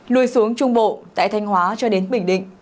lui xuống trung bộ tại thanh hóa cho đến bình định